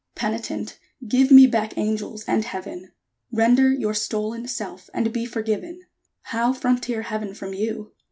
_ Penitent! give me back Angels, and Heaven; Render your stolen self, And be forgiven! How frontier Heaven from you?